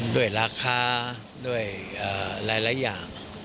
ด้วยราคาด้วยหลายอย่าง